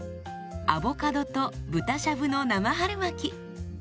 アボカドと豚しゃぶの生春巻き。